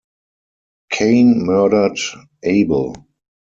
Cain murdered Abel.